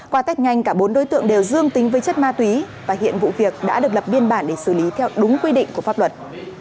qua tết nhanh cả bốn đối tượng đều dương tính với chất ma túy và hiện vụ việc đã được lập biên bản để xử lý theo đúng quy định của pháp luật